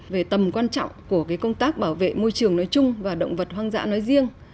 về tầm quan trọng của công tác bảo vệ môi trường nói chung và động vật hoang dã nói riêng